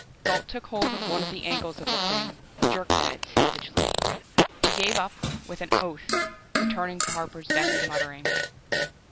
Gault took hold of one of the angles of the thing, jerked at it savagely. He gave it up with an oath, returned to Harper's desk muttering.